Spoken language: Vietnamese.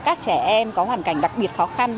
các trẻ em có hoàn cảnh đặc biệt khó khăn